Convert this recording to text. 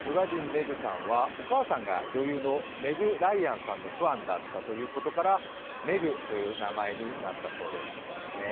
メグさんはお母さんが女優のメグ・ライアンさんのファンだったことから、メグという名前になったようです。